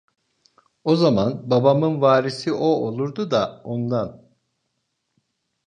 O zaman babamın varisi o olurdu da ondan…